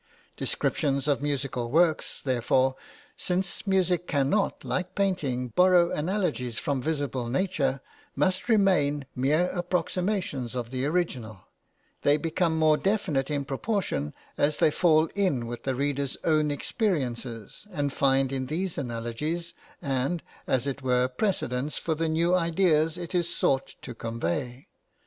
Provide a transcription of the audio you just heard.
Descriptions of musical works, therefore, since music cannot, like painting, borrow analogies from visible nature, must remain mere approximations of the original; they become more definite in proportion as they fall in with the reader's own experiences, and find in these analogies and, as it were, precedents for the new ideas it is sought to convey.